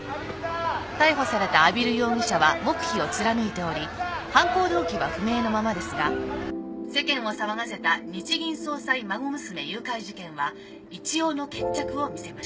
逮捕された阿比留容疑者は黙秘を貫いており犯行動機は不明のままですが世間を騒がせた日銀総裁孫娘誘拐事件は一応の決着を見せました。